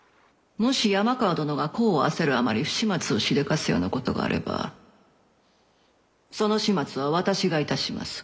もし山川殿が功を焦るあまり不始末をしでかすようなことがあればその始末は私が致します。